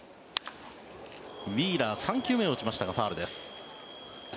ウィーラー３球目を打ちましたがファウルです。